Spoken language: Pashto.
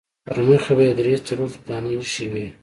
ترمخې به يې درې څلور تفدانۍ اېښې وې.